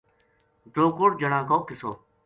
ڈروکڑ جنا کو قصو